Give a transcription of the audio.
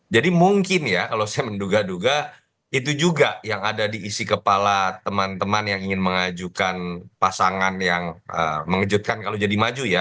jadi mungkin ya kalau saya menduga duga itu juga yang ada di isi kepala teman teman yang ingin mengajukan pasangan yang mengejutkan kalau jadi maju ya